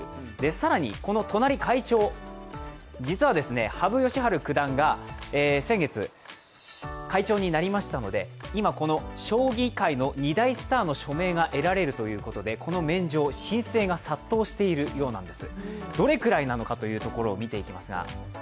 更に、この隣の会長、実は羽生善治九段が先月、会長になりましたので今、将棋界の二大スターの署名が得られるということでこの免状、申請が殺到しているそうなんです。